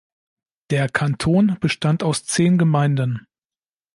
Der Kanton bestand aus zehn Gemeinden.